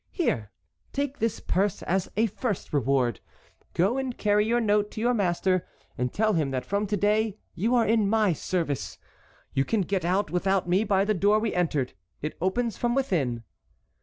Here, take this purse as a first reward. Go and carry your note to your master, and tell him that from to day you are in my service. You can get out without me by the door we entered. It opens from within."